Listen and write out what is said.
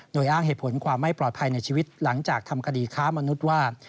โดยอ้างเหตุผลความไม่ปลอดภัยในชีวิตหลังจากทำคดีค้ามนุษย์ว่า